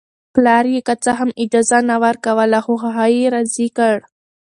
پلار یې که څه هم اجازه نه ورکوله خو هغه یې راضي کړ